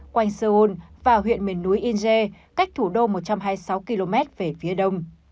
quanh seoul và huyện miền núi inche cách thủ đô một trăm hai mươi sáu km về phía đông